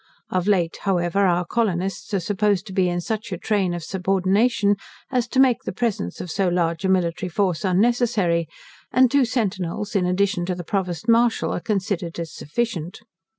Of late, however, our colonists are supposed to be in such a train of subordination, as to make the presence of so large a military force unnecessary; and two centinels, in addition to the Provost Martial, are considered as sufficient.